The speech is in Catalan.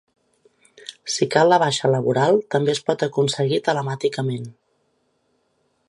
Si cal la baixa laboral, també es pot aconseguir telemàticament.